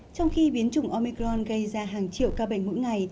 trong khi biến chủng omicron gây ra hàng triệu ca bệnh mỗi ngày